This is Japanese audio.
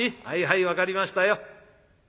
はいはい分かりましたよ。